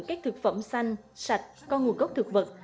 các thực phẩm xanh sạch con nguồn gốc thực vật